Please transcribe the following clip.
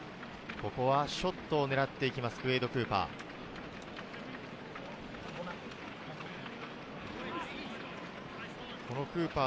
ここはショットを狙っていくクウェイド・クーパー。